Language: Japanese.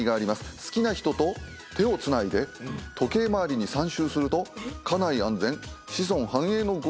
好きな人と手をつないで時計回りに３周すると家内安全子孫繁栄の御利益があるということですね。